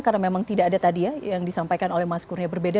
karena memang tidak ada tadi ya yang disampaikan oleh mas kurnia